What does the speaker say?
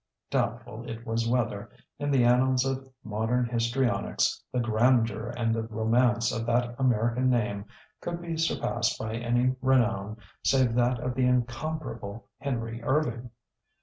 Doubtful it was whether, in the annals of modern histrionics, the grandeur and the romance of that American name could be surpassed by any renown save that of the incomparable Henry Irving.